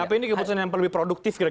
tapi ini keputusan yang lebih produktif